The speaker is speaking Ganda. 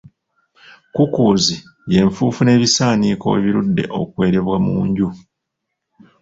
Kkukuuzi ye nfuufu n'ebisaaniiko ebirudde okwerebwa mu nju.